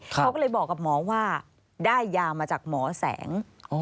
เขาก็เลยบอกกับหมอว่าได้ยามาจากหมอแสง